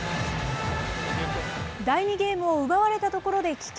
第２ゲームを奪われたところで棄権。